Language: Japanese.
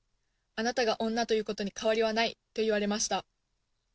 あなたが女ということに変わりはない」と言われました。